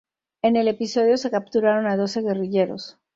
En el episodio se capturaron a doce guerrilleros.